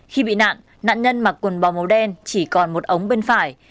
khi bị nạn nạn nhân mặc quần bò màu đen chỉ còn một ống bên phải